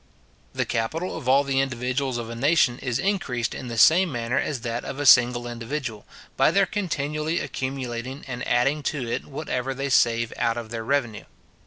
The capital of all the individuals of a nation is increased in the same manner as that of a single individual, by their continually accumulating and adding to it whatever they save out of their revenue.